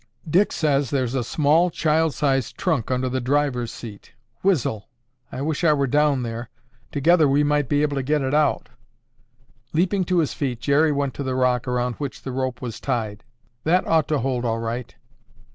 "Dick says there's a small, child size trunk under the driver's seat. Whizzle! I wish I were down there. Together we might be able to get it out." Leaping to his feet, Jerry went to the rock around which the rope was tied. "That ought to hold all right!"